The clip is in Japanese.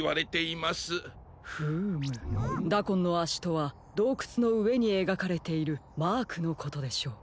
フームダコンのあしとはどうくつのうえにえがかれているマークのことでしょう。